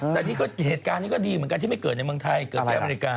แต่นี่ก็เหตุการณ์นี้ก็ดีเหมือนกันที่ไม่เกิดในเมืองไทยเกิดที่อเมริกา